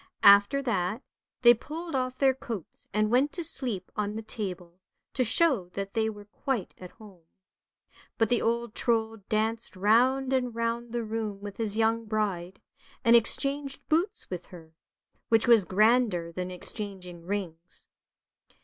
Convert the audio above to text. After that they pulled off their coats and went to sleep on the table, to show that they were quite at home. But the old Trold danced round and round the room with his young bride, and exchanged boots with her, which was grander than exchanging rings.